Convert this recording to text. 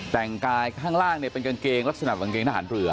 แต่งกายข้างล่างเนี่ยเป็นกางเกงลักษณะกางเกงทหารเรือ